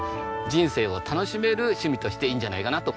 人生を楽しめる趣味としていいんじゃないかなと。